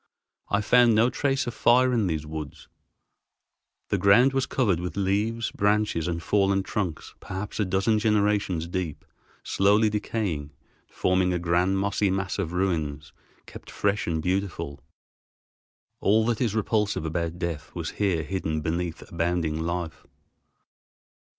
I found no trace of fire in these woods. The ground was covered with leaves, branches, and fallen trunks perhaps a dozen generations deep, slowly decaying, forming a grand mossy mass of ruins, kept fresh and beautiful. All that is repulsive about death was here hidden beneath abounding life.